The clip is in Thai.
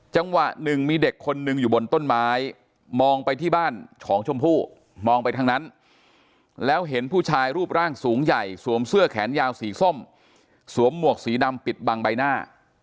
จังหวะหนึ่งมีเด็กคนนึงอยู่บนต้นไม้มองไปที่บ้านของชมพู่มองไปทางนั้นแล้วเห็นผู้ชายรูปร่างสูงใหญ่สวมเสื้อแขนยาวสีส้มสวมหมวกสีดำปิดบังใบหน้า